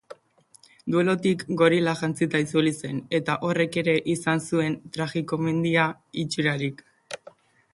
Duelutik gorila jantzita itzuli zen, eta horrek ere izan zuen tragikomedia itxurarik.